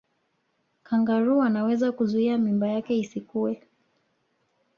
kangaroo anaweza kuzuia mimba yake isikue